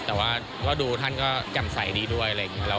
แต่ว่าก็ดูท่านก็แจ่มใสดีด้วยอะไรอย่างนี้